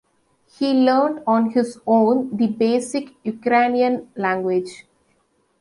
He learned on his own the basic Ukrainian language.